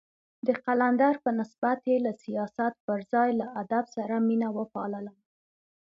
د قلندر په نسبت يې له سياست پر ځای له ادب سره مينه وپالله.